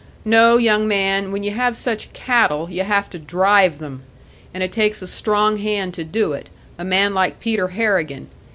No, young man, when you have such cattle, you have to drive them! And it takes a strong hand to do it a man like Peter Harrigan.